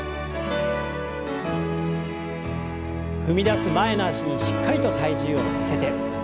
踏み出す前の脚にしっかりと体重を乗せて。